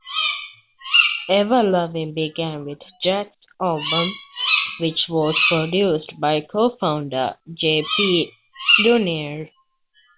Everloving began with Jack's album, which was produced by co-founder J. P. Plunier.